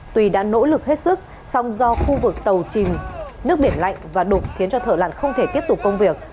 tùy đã nỗ lực hết sức song do khu vực tàu chìm nước biển lạnh và đụng khiến cho thở lặng không thể tiếp tục công việc